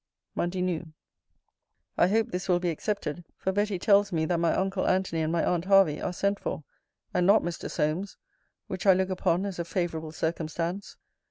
MONDAY NOON. I hope this will be accepted: for Betty tells me, that my uncle Antony and my aunt Hervey are sent for; and not Mr. Solmes; which I look upon as a favourable circumstance.